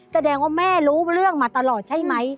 แสดงว่าแม่รู้เรื่องมาตลอดใช่ไหม